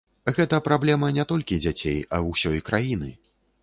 Гэта праблема не толькі дзяцей, а ўсёй краіны.